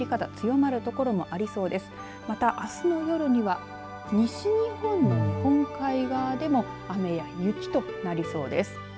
また、あすの夜には西日本の日本海側でも雨や雪となりそうです。